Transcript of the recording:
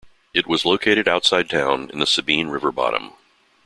It was located outside town in the Sabine River bottom.